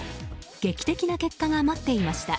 劇的な結果が待っていました。